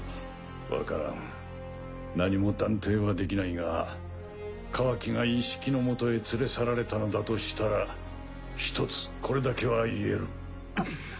わからん何も断定はできないがカワキがイッシキのもとへ連れ去られたのだとしたら一つこれだけは言える。